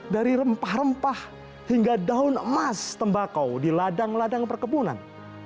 dari rempah rempah hingga daun emas tembakau di ladang ladang perkebunan